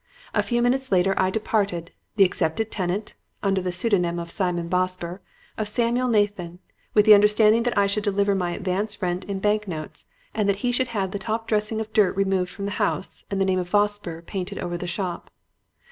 A few minutes later I departed, the accepted tenant (under the pseudonym of Simon Vosper) of Samuel Nathan, with the understanding that I should deliver my advance rent in bank notes and that he should have the top dressing of dirt removed from the house and the name of Vosper painted over the shop.